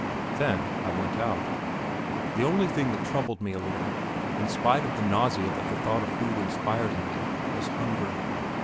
Then I went out. The only thing that troubled me a little, in spite of the nausea that the thought of food inspired in me, was hunger.